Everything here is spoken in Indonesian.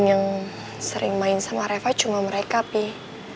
yang sering main sama reva cuma mereka sih